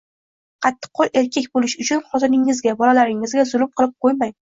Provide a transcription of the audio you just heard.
“Qattiqqo‘l erkak” bo‘lish uchun xotiningizga, bolalaringizga zulm qilib qo‘ymang.